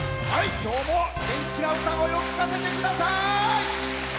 今日も元気な歌声を聴かせてください！